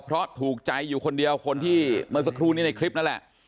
เพราะถูกใจอยู่คนเดียวคนที่เมื่อสักครู่นี้ในคลิปนั่นแหละ